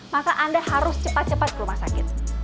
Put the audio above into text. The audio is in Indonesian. maka anda harus cepat cepat ke rumah sakit